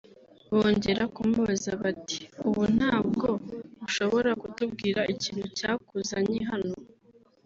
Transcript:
bongera kumubaza “Bati ubu ntabwo ushobora kutubwira ikintu cyakuzanye hano